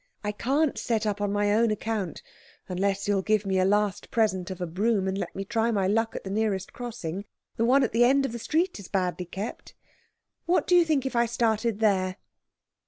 I can't set up on my own account unless you'll give me a last present of a broom, and let me try my luck at the nearest crossing. The one at the end of the street is badly kept. What do you think if I started there?"